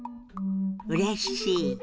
「うれしい」。